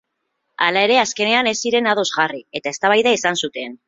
Halere, azkenean ez ziren ados jarri, eta eztabaida izan zuten.